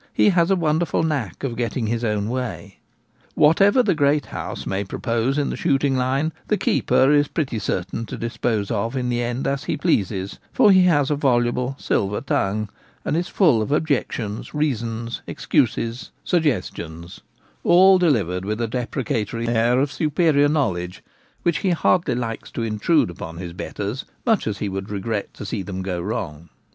i * he has a wonderful knack of getting his own way Whatever the great house may propose in the shoot ing line, the keeper is pretty certain to dispose of in the end as he pleases ; for he has a voluble ' silver ' tongue, and is full of objections, reasons, excuses, suggestions, all delivered with a deprecatory air of superior knowledge which he hardly likes to intrude upon his betters, much as he would regret to see them go wrong.